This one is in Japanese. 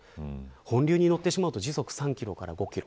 本流に乗ってしまうと時速３キロから５キロ。